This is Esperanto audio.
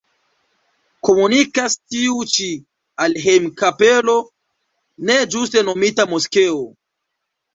Komunikas tiu ĉi al hejm-kapelo, ne ĝuste nomita moskeo.